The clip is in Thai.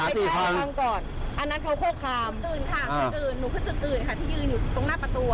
ตื่นหนูก็จะตื่นค่ะที่ยืนอยู่ตรงหน้าประตูค่ะ